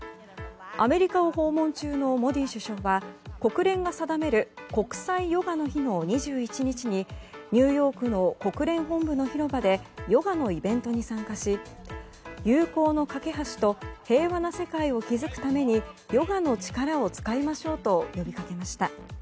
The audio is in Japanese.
アメリカを訪問中のモディ首相は国連が定める国際ヨガの日の２１日にニューヨークの国連本部の広場でヨガのイベントに参加し友好の懸け橋と平和な世界を築くためにヨガの力を使いましょうと呼びかけました。